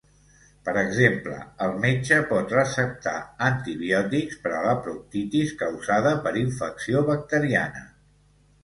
Per exemple, el metge pot receptar antibiòtics per a la proctitis causada per infecció bacteriana.